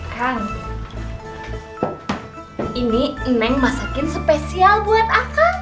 kang ini neng masakin spesial buat aku